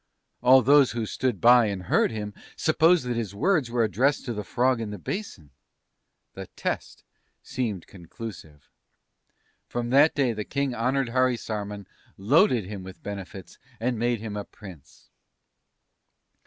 "All those who stood by and heard him supposed that his words were addressed to the frog in the basin. "The test seemed conclusive. "From that day the King honoured Harisarman, loaded him with benefits, and made him a Prince....